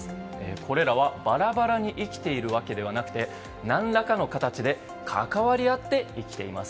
これらはバラバラに生きているわけではなくて何らかの形で関わり合って生きています。